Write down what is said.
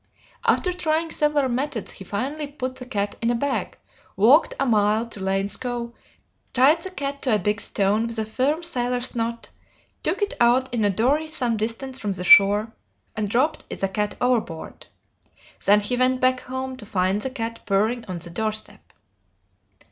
After trying several methods he finally put the cat in a bag, walked a mile to Lane's Cove, tied the cat to a big stone with a firm sailor's knot, took it out in a dory some distance from the shore, and dropped the cat overboard. Then he went back home to find the cat purring on the doorstep.